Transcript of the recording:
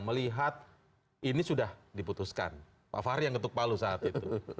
melihat ini sudah diputuskan pak fahri yang ketuk palu saat itu